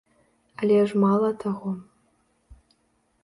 Але ж мала таго.